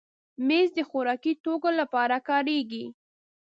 مېز د خوراکي توکو لپاره کارېږي.